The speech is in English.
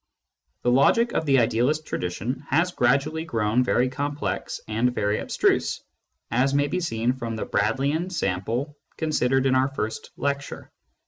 The logic of the idealist tradition has gradually grown very complex and very abstruse, as may be seen from the Bradleian sample considered in our first lecture.